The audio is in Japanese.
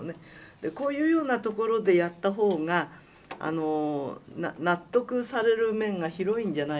でこういうようなところでやった方が納得される面が広いんじゃないかな。